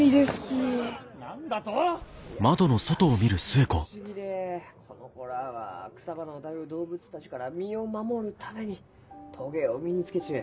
・いやなんとも不思議でこの子らは草花を食べる動物たちから身を守るためにトゲを身につけちゅう。